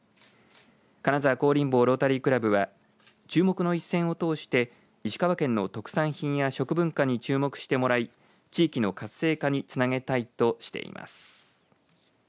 金沢香林坊ロータリークラブは注目の一戦を通して石川県の特産品や食文化に注目してもらい地域の活性化につなげたいとしています。